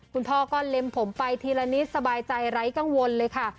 คุณพ่อก็เล็มผมไปทีละนิดสบายใจไร้กังวลเลยค่ะ